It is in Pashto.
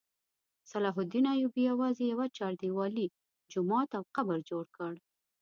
صلاح الدین ایوبي یوازې یوه چاردیوالي، جومات او قبر جوړ کړ.